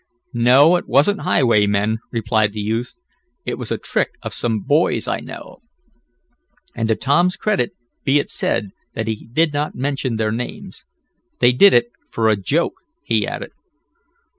"No, it wasn't highwaymen," replied the youth. "It was a trick of some boys I know," and to Tom's credit be it said that he did not mention their names. "They did it for a joke," he added.